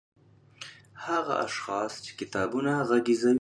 هغه اشخاص چې کتابونه غږيز کوي